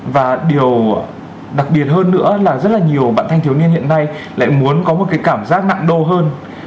và điều đặc biệt hơn nữa là rất là nhiều bạn thanh thiếu niên hiện nay lại muốn có một cái cảm giác nặng đô hơn